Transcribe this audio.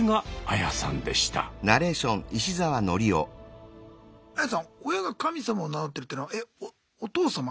アヤさん親が神様を名乗ってるっていうのはえっお父様？